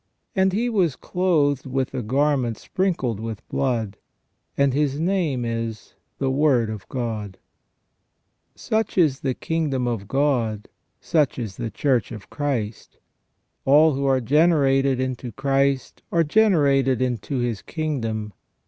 And " He was clothed with a garment sprinkled with blood, and His name is The Word of God ". Such is the kingdom of God. Such is the Church of Christ. All who are generated into Christ are generated into His king dom.